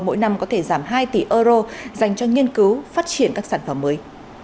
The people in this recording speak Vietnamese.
mỗi năm có thể giảm hai tỷ euro dành cho nghiên cứu phát triển các sản phẩm mới